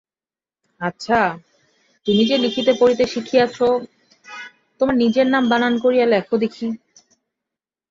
আচ্ছা, তুমি যে লিখিতে-পড়িতে শিখিয়াছ, তোমার নিজের নাম বানান করিয়া লেখো দেখি।